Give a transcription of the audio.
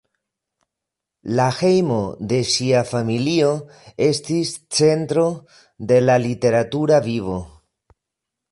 La hejmo de ŝia familio estis centro de la literatura vivo.